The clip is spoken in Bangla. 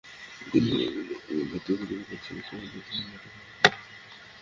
এরপর অবহেলায় রোগীর মৃত্যুর অভিযোগে পাঁচ চিকিত্সকের বিরুদ্ধে মামলাটি করেন ফারহানা নাসরিন।